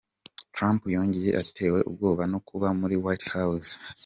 Trump ngo yatewe ubwoba no kuba muri White House.